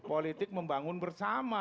politik membangun bersama